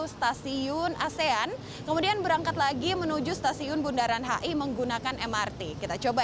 stasiun asean kemudian berangkat lagi menuju stasiun bundaran hi menggunakan mrt kita coba